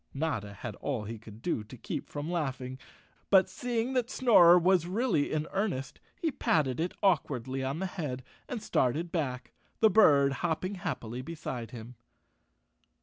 Notta had all he could do to keep from laughing, but seeing that Snorer was really in earnest, he patted it awkwardly on the head, and started back, the bird hop¬ ping happily beside him.